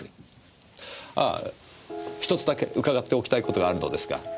ああ１つだけ伺っておきたいことがあるのですが。